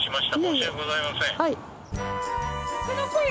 はい。